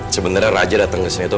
sebenernya raja dateng kesini tuh